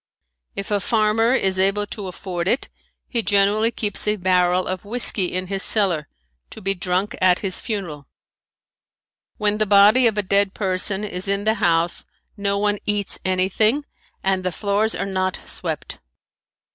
If a farmer is able to afford it he generally keeps a barrel of whisky in his cellar, to be drunk at his funeral. When the body of a dead person is in the house no one eats anything and the floors are not swept.